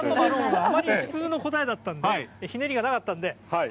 あまり普通の答えだったんで、ひねりがなかったんで。